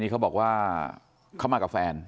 แต่คุณผู้ชมค่ะตำรวจก็ไม่ได้จบแค่ผู้หญิงสองคนนี้